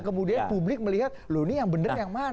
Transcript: jadi kita harus melihat lo nih yang bener yang mana